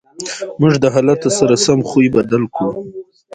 موږ د حالت سره سم خوی بدل کړو.